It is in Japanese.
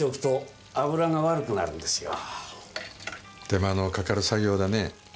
手間のかかる作業だねぇ。